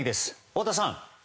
太田さん。